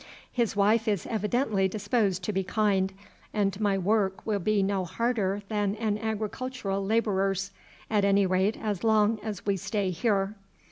His wife is evidently disposed to be kind, and my work will be no harder than an agricultural labourer's, at any rate as long as we stay here.